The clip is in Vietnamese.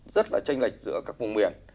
rất là tranh lệch giữa các vùng biển